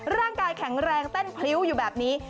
ร่างกายแข็งแรงเต้นพริ้วอยู่แบบนี้